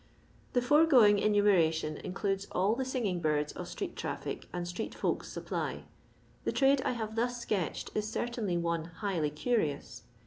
The foregoing enumeration includes all the singing birds of street traffic and street folk's supply. The trade I have thus sketched is cer tainly one highly curious.